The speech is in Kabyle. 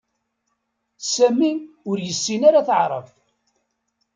Sami ur yessin ara Taɛrabt